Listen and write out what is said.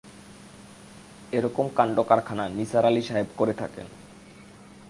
এরকম কাণ্ডকারখানা নিসার আলি সাহেব করে থাকেন।